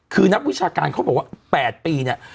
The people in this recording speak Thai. คือนักวิชาการเขาบอกว่า๘ปีเนี่ย